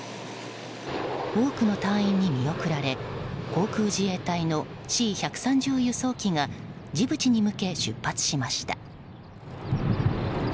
多くの隊員に見送られ航空自衛隊のＣ１３０輸送機がジブチに向け、出発しました。